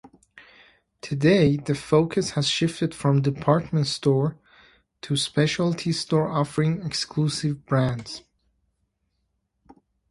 Today, the focus has shifted from department store to specialty store offering exclusive brands.